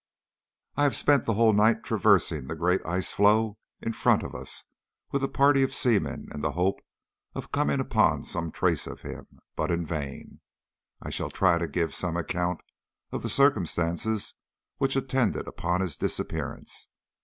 I have spent the whole night traversing the great ice floe in front of us with a party of seamen in the hope of coming upon some trace of him, but in vain. I shall try to give some account of the circumstances which attended upon his disappearance.